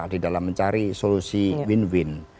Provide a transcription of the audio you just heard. di dalam mencari solusi win win